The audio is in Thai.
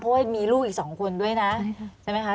เพราะว่ามีลูกอีก๒คนด้วยนะใช่ไหมคะ